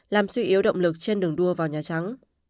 làm suy yếu động lực trên đường đua vào nhà trắng